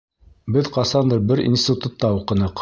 Беҙ ҡасандыр бер институтта уҡыныҡ.